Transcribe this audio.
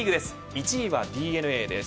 １位はＤｅＮＡです。